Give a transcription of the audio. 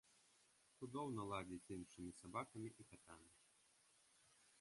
Цудоўна ладзіць з іншымі сабакамі і катамі.